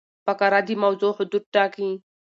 فقره د موضوع حدود ټاکي.